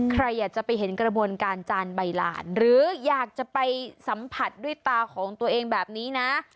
ใครอยากจะไปเห็นกระบวนการจานใบหลานหรืออยากจะไปสัมผัสด้วยตาของตัวเองแบบนี้นะ